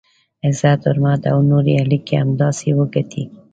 عزت، حرمت او نورې اړیکي همداسې وګڼئ.